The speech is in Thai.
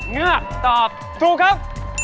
งาตอบถูกครับ